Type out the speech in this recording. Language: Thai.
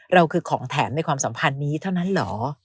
เราคือของแถมในความสัมพันธ์นี้เท่านั้นเหรอ